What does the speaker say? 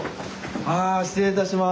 あ失礼いたします。